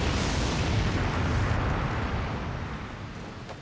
あ。